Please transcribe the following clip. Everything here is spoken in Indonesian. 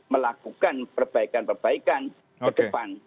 melakukan perbaikan perbaikan ke depan